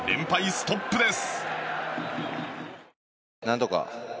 ストップです。